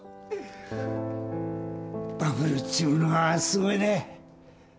バブルっちゅうのはすごいね。